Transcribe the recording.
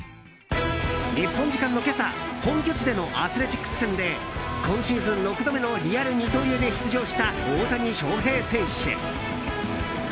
日本時間の今朝本拠地でのアスレチックス戦で今シーズン６度目のリアル二刀流で出場した大谷翔平選手。